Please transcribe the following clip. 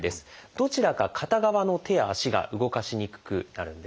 どちらか片側の手や足が動かしにくくなるんです。